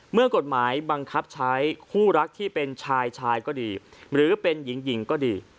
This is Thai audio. เมื่อกฎหมายบังคับใช้คู่รักที่เป็นชายชายก็ดีหรือเป็นหญิงก็ดี